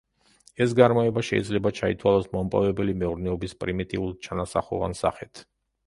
ეს გარემოება შეიძლება ჩაითვალოს მომპოვებელი მეურნეობის პრიმიტიულ, ჩანასახოვან სახედ.